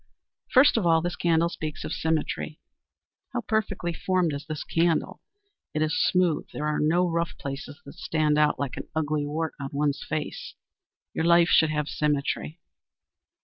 First of all this candle speaks of Symmetry. How perfectly formed is this candle! It is smooth, there are no rough places that stand out like an ugly wart on one's face. Your life should have symmetry.